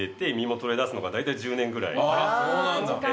そうなんだ。